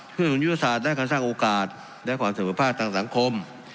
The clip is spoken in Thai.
เพื่อยุทธศาสตร์ด้านการสร้างโอกาสและความเสมอภาคทางสังคม